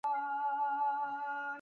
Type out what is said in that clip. زهر خطرناک دی.